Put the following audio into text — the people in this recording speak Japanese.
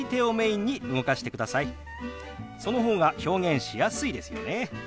その方が表現しやすいですよね。